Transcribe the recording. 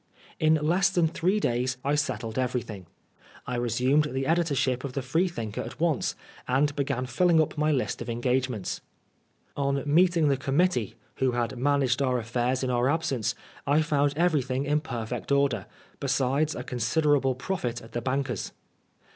In less than three days I settled everything. I resumed the editorship of the Freethinker at once, and began filling up my list of engagements. On meeting the Committee, who had managed our affairs in our absence, I found everything in perfect order, besides a c^u^^rable profit at the 178 PRISONER rOR BLASPHEMY. banker's.